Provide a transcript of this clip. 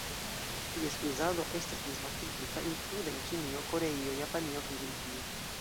Ties uzado estas disvastigita, inklude en Ĉinio, Koreio, Japanio kaj Britio.